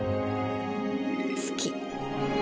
好き。